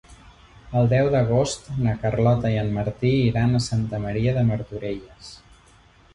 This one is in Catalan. El deu d'agost na Carlota i en Martí iran a Santa Maria de Martorelles.